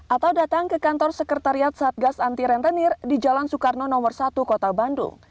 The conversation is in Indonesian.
atau datang ke kantor sekretariat satgas anti rentenir di jalan soekarno nomor satu kota bandung